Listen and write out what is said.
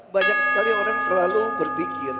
banyak sekali orang selalu berpikir